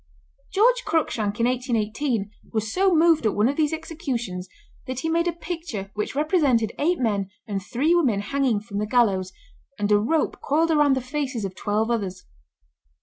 George Cruikshank in 1818 was so moved at one of these executions that he made a picture which represented eight men and three women hanging from the gallows, and a rope coiled around the faces of twelve others.